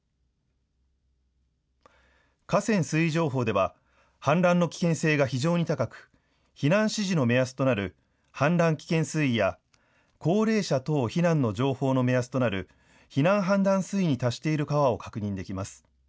河川水位情報では氾濫の危険性が非常に高く避難指示の目安となる氾濫危険水位や高齢者等避難の情報の目安となる避難判断水位に達している川を確認できます。